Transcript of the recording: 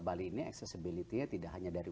bali ini accessibility nya tidak hanya dari